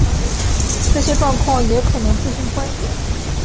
这些状况也可能自行缓解。